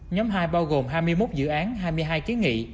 nhóm hai bao gồm hai mươi một dự án hai mươi hai kiến nghị